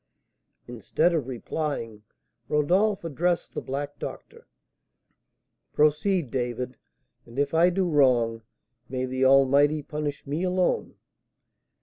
Instead of replying, Rodolph addressed the black doctor: "Proceed, David! And if I do wrong, may the Almighty punish me alone!"